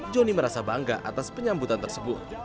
joni merasa bangga atas penyambutan tersebut